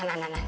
nah nah nah